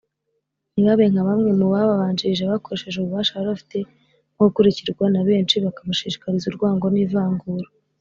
ntibabe nka bamwe mu bababanjirije bakoresheje ububasha bari bafite bwo gukurikirwa na benshi bakabashishikariza urwango n’ivangura